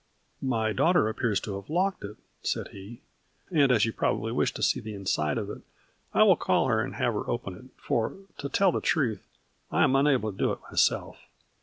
" My daughter appears to have locked it," said he, " and, as you probably wish to see the inside of it, I will call her and have her open it, for, to tell the truth, I am unable to do it myself.